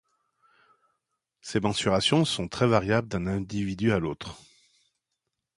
Ces mensurations sont très variables d'un individu à l'autre.